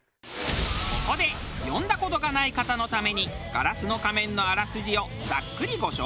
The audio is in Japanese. ここで読んだ事がない方のために『ガラスの仮面』のあらすじをざっくりご紹介！